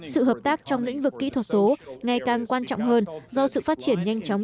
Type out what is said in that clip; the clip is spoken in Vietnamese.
sự hợp tác trong lĩnh vực kỹ thuật số ngày càng quan trọng hơn do sự phát triển nhanh chóng